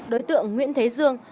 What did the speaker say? đối tượng nguyễn thế dương